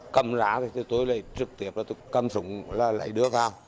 cầm ra thì tôi lại trực tiếp là tôi cầm súng là lấy đưa vào